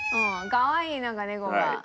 かわいいなんか猫が。